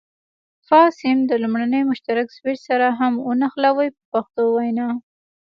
فاز سیم د لومړني مشترک سویچ سره هم ونښلوئ په پښتو وینا.